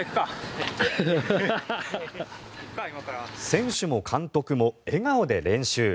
選手も監督も笑顔で練習。